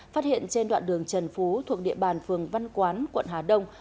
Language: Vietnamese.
phát hiện trên đoạn đường trần phú thuộc địa bàn phường văn quán quận hà đông